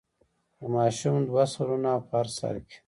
د ماشوم دوه سرونه او په هر سر کې.